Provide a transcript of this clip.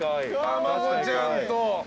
たまこちゃんと。